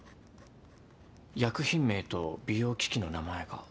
薬品名と美容機器の名前が。